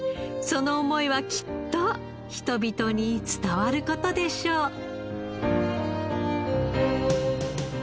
その思いはきっと人々に伝わる事でしょう。